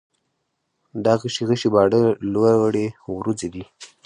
دا غشي غشي باڼه، لورې وروځې دي